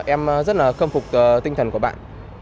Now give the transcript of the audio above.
em rất là khâm phục tinh thần của bạn